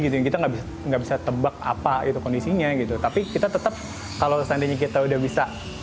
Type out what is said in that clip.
kita nggak bisa tebak apa itu kondisinya tapi kita tetap kalau seandainya kita udah bisa